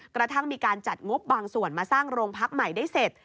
กระทั่งมีการจัดงบบางส่วนมาสร้างโรงพักใหม่ได้เสร็จ